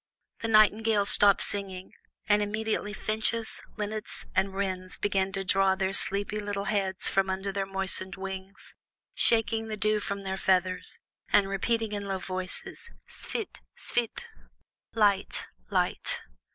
The nightingales stopped singing, and immediately finches, linnets, and wrens began to draw their sleepy little heads from under their moistened wings, shaking the dew from their feathers, and repeating in low voices, "Svit! svit!" ("Light! light!").